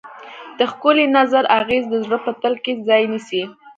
د ښکلي نظر اغېز د زړه په تل کې ځای نیسي.